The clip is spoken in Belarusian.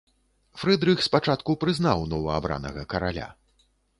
Фрыдрых спачатку прызнаў новаабранага караля.